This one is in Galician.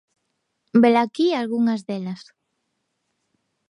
Velaquí algunhas delas.